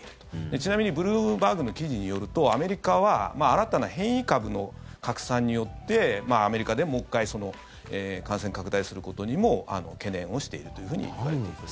ちなみにブルームバーグの記事によるとアメリカは新たな変異株の拡散によってアメリカでもう１回感染拡大することにも懸念をしているというふうにいわれています。